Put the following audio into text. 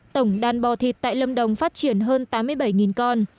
tổng đàn bò thịt tại lâm đồng phát triển hơn tám mươi bảy con